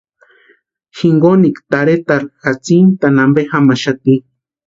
Jinkonikwa tarhetarhu jatsintani ampe jamaxati.